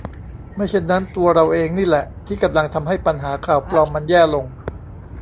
ไม่เช่นนั้นตัวเราเองนี่แหละที่กำลังทำให้ปัญหา ข่าวปลอม มันแย่ลง